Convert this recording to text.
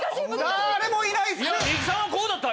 誰もいないですね。